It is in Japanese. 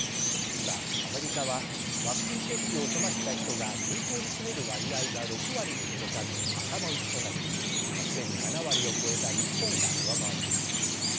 今、アメリカはワクチン接種を済ませた人が人口に占める割合が６割に届かず頭打ちとなりすでに７割を超えた日本が上回っています。